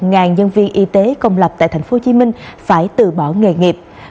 vậy những nhân viên y tế công lập tại tp hcm phải tự bỏ nghề nghiệp